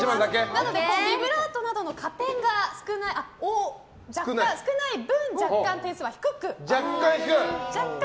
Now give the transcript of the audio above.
ビブラートなどの加点が少ない分若干点数は低くなります。